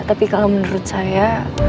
tapi kalau menurut saya